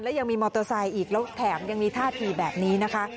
ยังมีมอเตอร์ไซค์อีกแล้วแถมยังมีท่าทีแบบนี้นะคะ